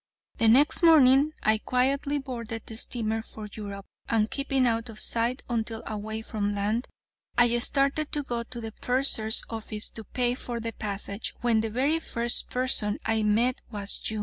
The next morning I quietly boarded the steamer for Europe, and keeping out of sight until away from land, I started to go to the purser's office to pay for my passage, when the very first person I met was you.